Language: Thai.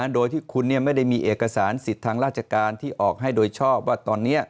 โดยที่คุณไม่ได้มีเอกสารสิทธิ์ทางราชการที่ออกให้โดยชอบว่าตอนนี้